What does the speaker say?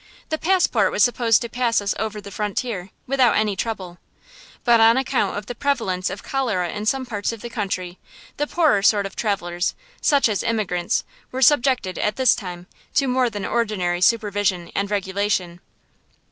The passport was supposed to pass us over the frontier without any trouble, but on account of the prevalence of cholera in some parts of the country, the poorer sort of travellers, such as emigrants, were subjected, at this time, to more than ordinary supervision and regulation.